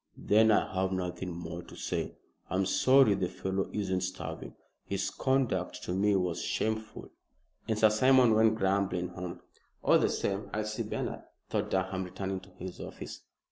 "Then I have nothing more to say. I'm sorry the fellow isn't starving. His conduct to me was shameful." And Sir Simon went grumbling home. "All the same, I'll see Bernard," thought Durham, returning to his office.